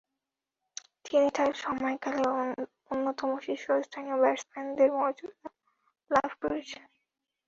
তিনি তার সময়কালে অন্যতম শীর্ষস্থানীয় ব্যাটসম্যানের মর্যাদা লাভ করেছেন।